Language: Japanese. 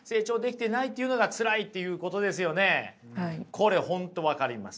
これ本当分かります。